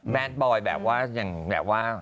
บอยแบบว่าอย่างแบบว่า